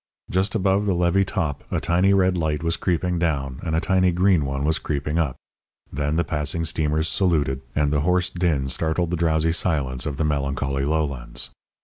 Just above the levee top a tiny red light was creeping down and a tiny green one was creeping up. Then the passing steamers saluted, and the hoarse din startled the drowsy silence of the melancholy lowlands.